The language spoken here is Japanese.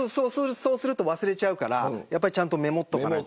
そうすると忘れちゃうからちゃんとメモっておかないと。